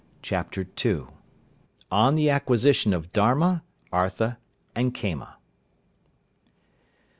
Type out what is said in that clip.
CHAPTER II. ON THE ACQUISITION OF DHARMA, ARTHA AND KAMA.